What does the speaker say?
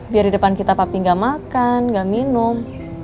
biar di depan kita papi gak makan gak minum